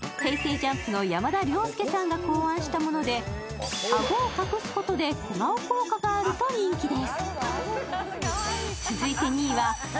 ＪＵＭＰの山田涼介さんが考案したものであごを隠すことで小顔効果があると人気です。